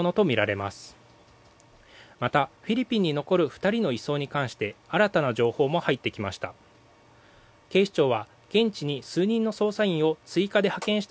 また、フィリピンに残る２人の移送に関して新たな情報も入ってきました。